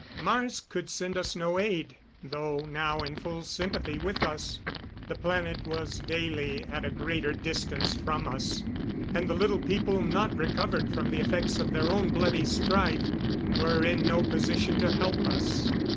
Mars could send us no aid, though now in full sympathy with us. The planet was daily at a greater distance from us; and the Little People, not recovered from the effects of their own bloody strife, were in no position to help us.